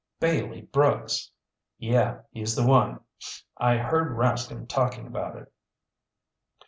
"Bailey Brooks!" "Yeah, he's the one. I heard Rascomb talking about it."